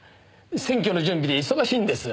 選挙の準備で忙しいんです。